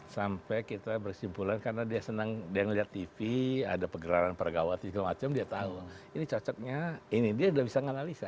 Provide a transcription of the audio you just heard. sampai kita bersimpulan karena dia senang dia ngeliat tv ada pergerakan pergawati segala macem dia tau ini cocoknya ini dia udah bisa nganalisa